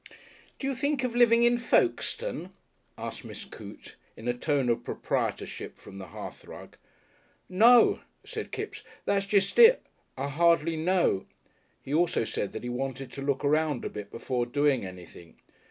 "Do you think of living in Folkestone?" asked Miss Coote, in a tone of proprietorship, from the hearthrug. "No," said Kipps, "that's jest it I hardly know." He also said that he wanted to look around a bit before doing anything.